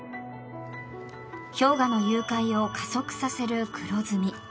氷河の融解を加速させる黒ずみ。